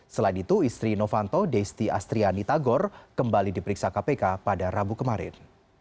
selain itu istri novanto desti astriani tagor kembali diperiksa kpk pada rabu kemarin